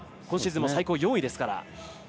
今シーズンも最高４位ですから。